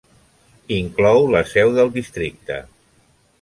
Inclou la seu del districte.